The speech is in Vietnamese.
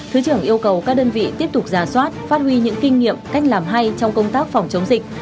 thứ trưởng yêu cầu các đơn vị tiếp tục giả soát phát huy những kinh nghiệm cách làm hay trong công tác phòng chống dịch